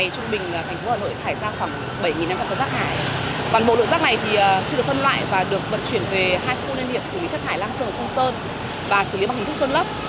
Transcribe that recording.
còn bộ lượng rác này thì chưa được phân loại và được vận chuyển về hai khu liên hiệp xử lý chất thải lang sơn và phương sơn và xử lý bằng hình thức chôn lớp